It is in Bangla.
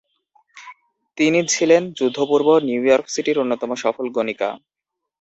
তিনি ছিলেন যুদ্ধপূর্ব নিউইয়র্ক সিটির অন্যতম সফল গণিকা।